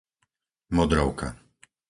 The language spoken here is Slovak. Modrovka